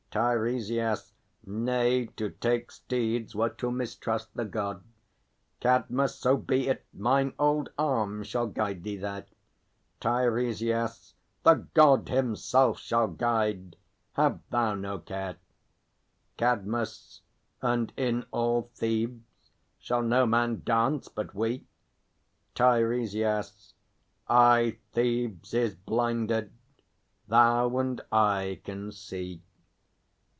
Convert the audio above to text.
TEIRESIAS. Nay; to take steeds were to mistrust the God. CADMUS. So be it. Mine old arm shall guide thee there. TEIRESIAS. The God himself shall guide! Have thou no care. CADMUS. And in all Thebes shall no man dance but we? TEIRESIAS. Aye, Thebes is blinded. Thou and I can see.